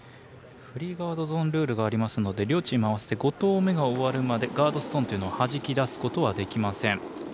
フリーガードゾーンルールがありますので両チーム合わせて５投目が終わるまでガードストーンというのをはじき出すことはできません。